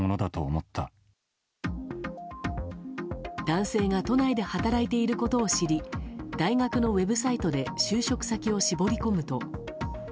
男性が都内で働いていることを知り大学のウェブサイトで就職先を絞り込むと。